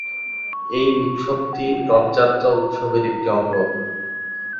এই উৎসবটি রথযাত্রা উৎসবের একটি অঙ্গ।